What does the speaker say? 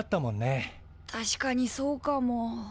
確かにそうかも。